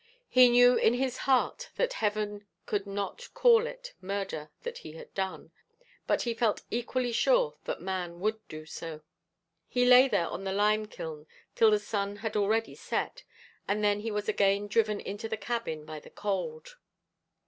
He knew in his heart that heaven could not call it murder that he had done; but he felt equally sure that man would do so. He lay there on the lime kiln till the sun had already set, and then he was again driven into the cabin by the cold.